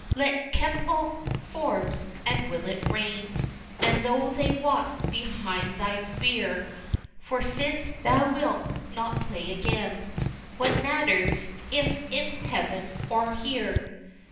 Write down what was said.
XVI. Let Kemble, Forbes, and Willet rain, As tho' they walk'd behind thy bier, For since thou wilt not play again, What matters, if in heav'n or here!